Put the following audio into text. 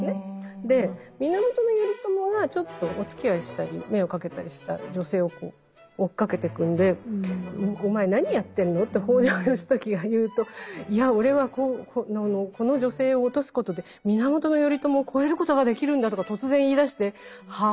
で源頼朝がちょっとおつきあいをしたり目をかけたりした女性を追っかけてくんでお前何やってるのって北条義時が言うといや俺はこの女性を落とすことで源頼朝を超えることができるんだとか突然言いだしてはあ？